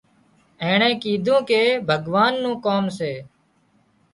اينڻي ڪيڌوون ڪي ڀڳوان نُون ڪام سي